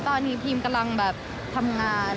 ตอนนี้ทีมกำลังแบบทำงาน